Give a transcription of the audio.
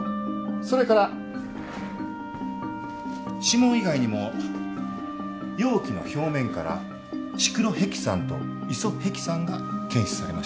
それから指紋以外にも容器の表面からシクロヘキサンとイソヘキサンが検出されました。